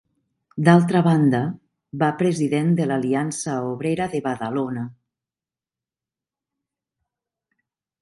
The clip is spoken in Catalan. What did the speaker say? D'altra banda, va president de l'Aliança Obrera de Badalona.